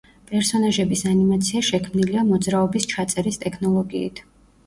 პერსონაჟების ანიმაცია შექმნილია მოძრაობის ჩაწერის ტექნოლოგიით.